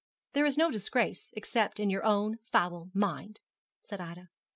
'There is no disgrace, except in your own foul mind,' said Ida.